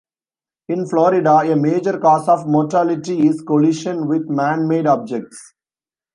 In Florida a major cause of mortality is collision with man-made objects.